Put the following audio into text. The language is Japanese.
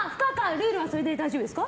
ルールはそれで大丈夫ですか。